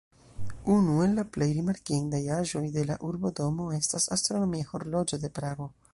Unu el la plej rimarkindaj aĵoj de la Urbodomo estas astronomia horloĝo de Prago.